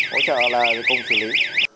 hỗ trợ là cùng xử lý